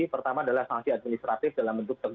pertama adalah sangsi administratif dalam bentuk tergantung